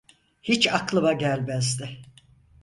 Hiç aklıma gelmezdi.